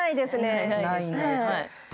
ないんですか。